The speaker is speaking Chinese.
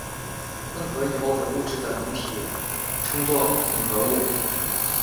混合以后的物质的总体称作混合物。